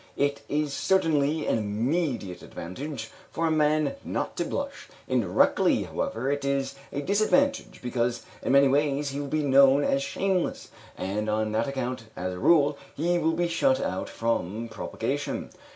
It is certainly an immediate advantage for a man not to blush; indirectly, however, it is a disadvantage, because in other ways he will be known as shameless, and on that account, as a rule, he will be shut out from propagation.